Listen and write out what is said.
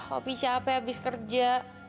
opi capek abis kerja